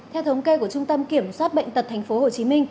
theo thống kê của trung tâm kiểm soát bệnh tật tp hcm